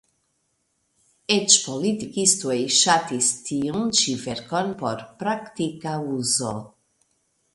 Eĉ politikistoj ŝatis tiun ĉi verkon por praktika uzo.